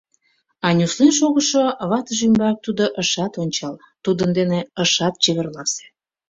А нюслен шогышо ватыж ӱмбак тудо ышат ончал, тудын дене ышат чеверласе.